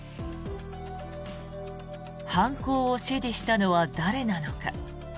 犯行を指示したのは誰なのか。